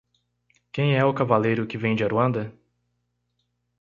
Quem é o cavaleiro que vem de Aruanda?